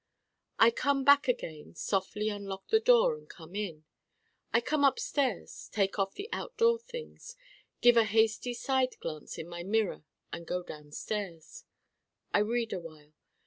I come back again, softly unlock the door and come in. I come upstairs, take off the out door things, give a hasty side glance in my glass and go downstairs. I read awhile.